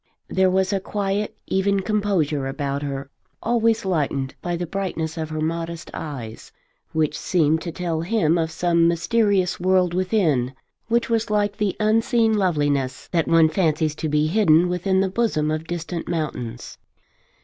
There was a quiet even composure about her, always lightened by the brightness of her modest eyes, which seemed to tell him of some mysterious world within, which was like the unseen loveliness that one fancies to be hidden within the bosom of distant mountains.